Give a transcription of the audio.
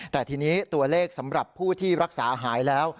แต่ทีนี้ตัวเลขสำหรับผู้ที่รักษาหายแล้ว